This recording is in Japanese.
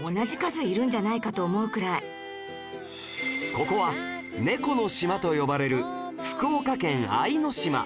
ここは猫の島と呼ばれる福岡県相島